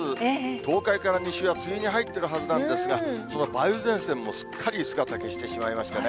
東海から西は梅雨に入っているはずなんですが、その梅雨前線も、すっかり姿消してしまいましたね。